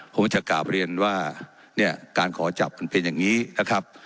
ผมจะกราบเรียนว่าเนี่ยการขอจับมันเป็นอย่างนี้นะครับ